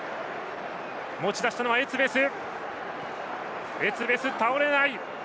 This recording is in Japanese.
持ち出したのはエツベス。